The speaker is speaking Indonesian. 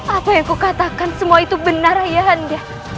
apa yang kukatakan semua itu benar ayahanda